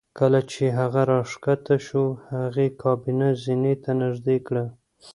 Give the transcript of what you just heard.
کله چې هغه راښکته شو هغې کابینه زینې ته نږدې کړه